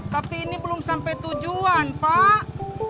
tapi ini belum sampai tujuan pak